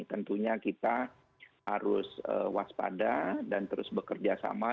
tentunya kita harus waspada dan terus bekerja sama